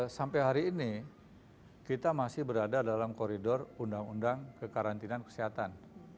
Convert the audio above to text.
sampai hari ini kita masih berada dalam koridor undang undang kekarantinaan kesehatan